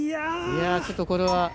いやちょっとこれは。